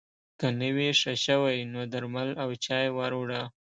که نه وي ښه شوی نو درمل او چای ور وړه